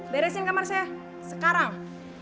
beresin kamar saya sekarang